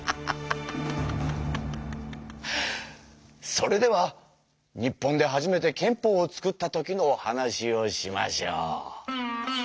それでは日本で初めて憲法を作った時のお話をしましょう。